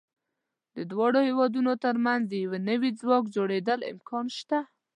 د دواړو هېوادونو تر منځ د یو نوي ځواک جوړېدو امکان شته.